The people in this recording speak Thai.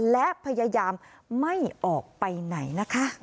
และพยายามไม่ออกไปไหนนะคะ